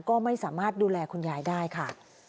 ก็ไม่สามารถดูแลคุณยายได้ค่ะ